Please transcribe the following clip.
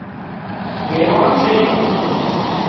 ويواڻ سي